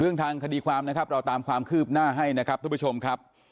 ทางคดีความนะครับเราตามความคืบหน้าให้นะครับทุกผู้ชมครับ